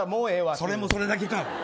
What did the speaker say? それもそれだけかい。